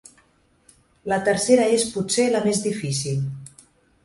La tercera és potser la més difícil.